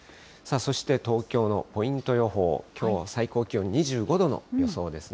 そして東京のポイント予報、きょうは最高気温２５度の予想ですね。